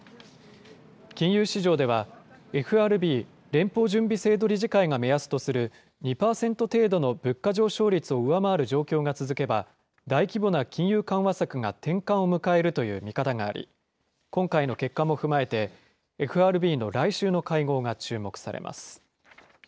金融市場では、ＦＲＢ・連邦準備制度理事会が目安とする２％程度の物価上昇率を上回る状況が続けば、大規模な金融緩和策が転換を迎えるという見方があり、今回の結果も踏まえて、ＦＲＢの来週の会合が注目されます。